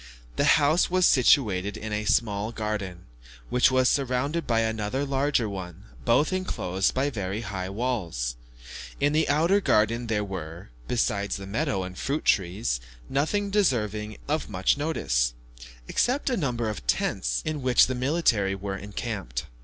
The house was situated in a small garden, which was surrounded by another larger one, both enclosed by very high walls. In the outer garden there were, besides meadows and fruit trees, nothing deserving of much notice, except a number of tents, in which the military were encamped.